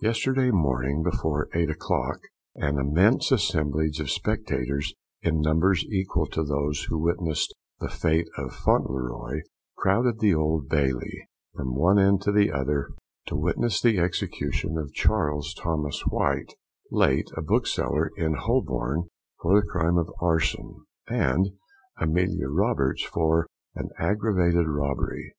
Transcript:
Yesterday morning, before 8 o'clock, an immense assemblage of spectators, in numbers equal to those who witnessed the fate of Fauntleroy, crowded the Old Bailey, from one end to the other, to witness the execution of Charles Thomas White, late a bookseller in Holborn, for the crime of arson, and Amelia Roberts, for an aggravated robbery.